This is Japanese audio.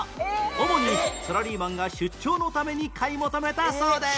主にサラリーマンが出張のために買い求めたそうです